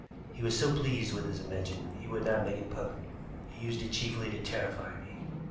He was so pleased with his invention he would not make it public. He used it chiefly to terrify me.